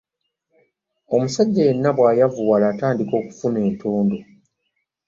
Omusajja yenna bw'ayavuwala atandika okufuna entondo.